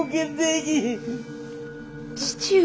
父上。